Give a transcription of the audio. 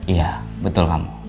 iya betul kamu